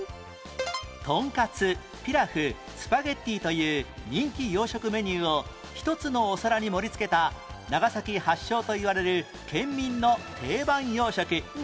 トンカツピラフスパゲティという人気洋食メニューを１つのお皿に盛り付けた長崎発祥といわれる県民の定番洋食